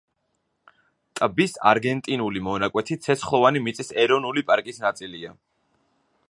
ტბის არგენტინული მონაკვეთი ცეცხლოვანი მიწის ეროვნული პარკის ნაწილია.